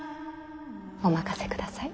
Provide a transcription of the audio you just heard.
お任せください。